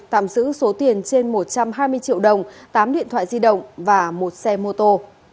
tạm giữ số tiền trên một trăm hai mươi triệu đồng tám điện thoại di động và một xe mô tô